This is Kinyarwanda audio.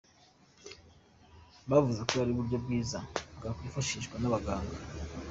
Bavuze ko ari uburyo bwiza bwakwifashishwa n’abaganga.